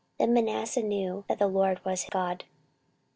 Then Manasseh knew that the LORD he was God.